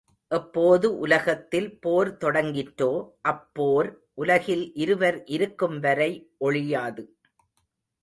எப்போது உலகத்தில் போர் தொடங்கிற்றோ அப்போர் உலகில் இருவர் இருக்கும்வரை ஒழியாது.